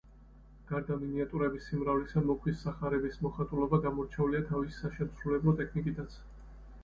გარდა მინიატიურების სიმრავლისა, მოქვის სახარების მოხატულობა გამორჩეულია თავისი საშემსრულებლო ტექნიკითაც.